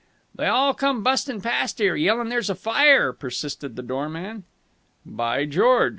"They all come bustin' past 'ere yelling there's a fire," persisted the door man. "By George!